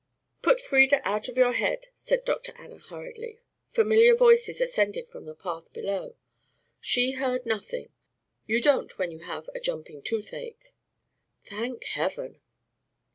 "Put Frieda out of your head," said Dr. Anna hurriedly; familiar voices ascended from the path below. "She heard nothing. You don't when you have a jumping toothache." "Thank heaven!"